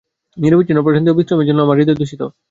নিরবচ্ছিন্ন প্রশান্তি ও বিশ্রামের জন্য আমার হৃদয় তৃষিত।